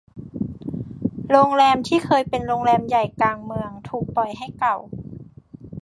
โรงแรมที่เคยเป็นโรงแรมใหญ่กลางเมืองถูกปล่อยให้เก่า